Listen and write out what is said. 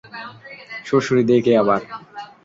সুড়সুড়ি দেয় কে আবার?